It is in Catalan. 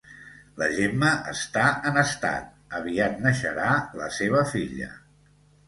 La Gemma està en estat, aviat neixerà la seva filla